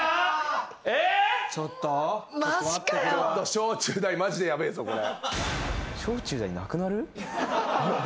小中大マジでヤベえぞこれ。